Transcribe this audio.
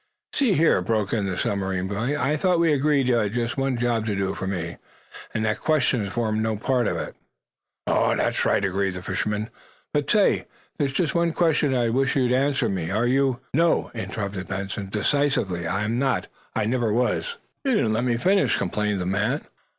"See here," broke in the submarine boy, "I thought we agreed you had just one job to do for me, and that questions formed no part of it." "That's right," agreed the fisherman. "But say, there's just one question I wish you'd answer me. Are you " "No!" interrupted Benson, decisively. "I am not. I never was." "You didn't let me finish," complained the man.